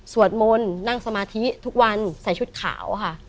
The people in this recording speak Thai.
มนต์นั่งสมาธิทุกวันใส่ชุดขาวค่ะ